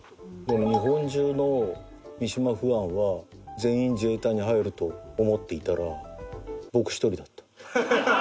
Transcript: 日本中の三島ファンは全員自衛隊に入ると思っていたら僕一人だった。